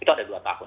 itu ada dua tahun